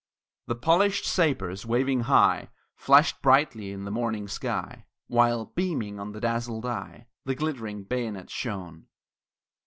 The polished sabres, waving high, Flashed brightly in the morning sky; While, beaming on the dazzled eye, The glittering bayonets shone.